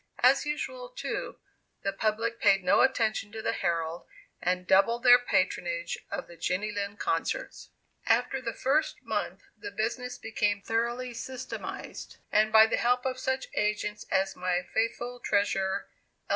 As usual, too, the public paid no attention to the Herald and doubled their patronage of the Jenny Lind concerts. After the first month the business became thoroughly systematized, and by the help of such agents as my faithful treasurer, L.